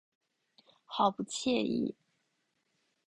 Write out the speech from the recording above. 好不惬意